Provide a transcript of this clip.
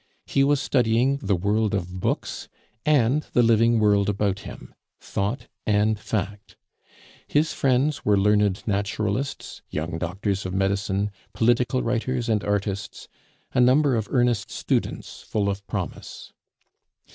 He was studying the world of books and the living world about him thought and fact. His friends were learned naturalists, young doctors of medicine, political writers and artists, a number of earnest students full of promise.